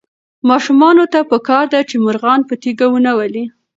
ماشومانو ته پکار ده چې مرغان په تیږو ونه ولي.